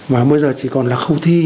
và bây giờ chỉ còn là không thể